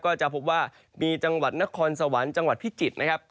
ก็จะพบว่ามีจังหวัดนครสวรรค์จังหวัดพิจิตรนะครับ